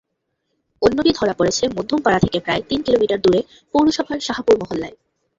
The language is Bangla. অন্যটি ধরা পড়েছে মধ্যমপাড়া থেকে প্রায় তিন কিলোমিটার দূরে পৌরসভার সাহাপুর মহল্লায়।